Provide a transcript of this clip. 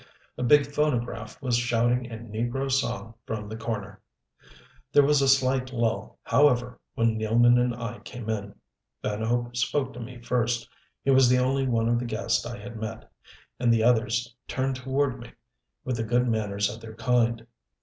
A big phonograph was shouting a negro song from the corner. There was a slight lull, however, when Nealman and I came in. Van Hope spoke to me first he was the only one of the guests I had met and the others turned toward me with the good manners of their kind.